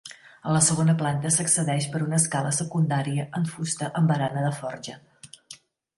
A la segona planta s'accedeix per una escala secundària en fusta amb barana de forja.